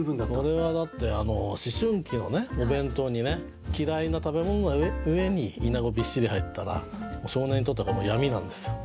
それはだって思春期のお弁当にね嫌いな食べ物な上にイナゴびっしり入ったら少年にとってはもう闇なんですよ。